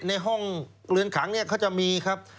ในห้องเรือนขังเนี่ยเขาจะมีครับ